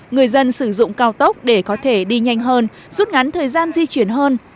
người dân sử dụng cao tốc để có thể đi nhanh hơn rút ngắn thời gian di chuyển hơn